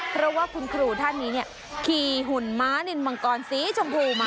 เพราะว่าคุณครูท่านนี้เนี่ยขี่หุ่นม้านินมังกรสีชมพูมา